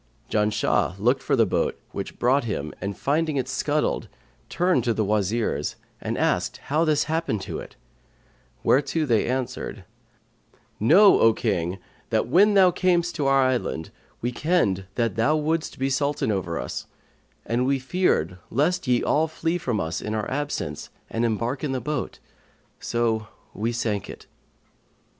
Janshah looked for the boat which brought him and finding it scuttled turned to the Wazirs and asked how this had happened to it; whereto they answered, 'Know, O King, that, when thou camest to our island, we kenned that thou wouldst be Sultan over us and we feared lest ye all flee from us, in our absence; and embark in the boat, so we sank it.'